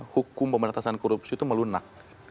hukum pemerintahan korupsi itu melunak